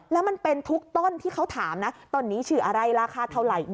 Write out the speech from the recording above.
แล้วมันเป็นทุกต้นที่เขาถามนะต้นนี้ชื่ออะไรราคาเท่าไหร่